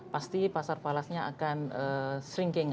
pasti pasar falasnya akan shrinking